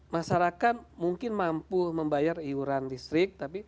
masyarakat mungkin mampu membayar iuran listrik